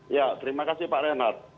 ya terima kasih pak renard